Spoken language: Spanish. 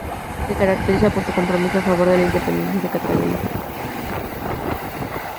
Se caracteriza por su compromiso a favor de la independencia de Cataluña.